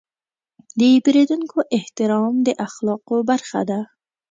د پیرودونکو احترام د اخلاقو برخه ده.